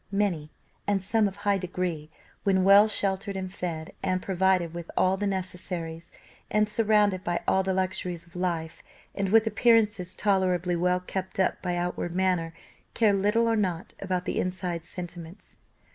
Many, and some of high degree, when well sheltered and fed, and provided with all the necessaries, and surrounded by all the luxuries of life, and with appearances tolerably well kept up by outward manner, care little or nought about the inside sentiments.